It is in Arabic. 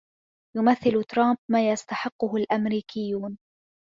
يمثّل ترامب ما يستحقّه الأمريكيّون.